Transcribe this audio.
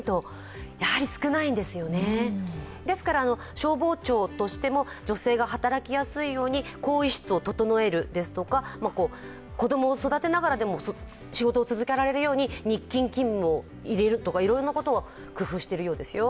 消防庁としても、女性が働きやすいように更衣室を整えるですとか子供を育てながらでも仕事を続けられるように日勤勤務を入れるとかいろんなことを工夫しているようですよ。